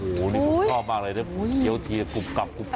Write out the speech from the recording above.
โหนี่ผมชอบมากเลยนะเกี๊ยวทีกลุ่มกลับกลุ่มกลับ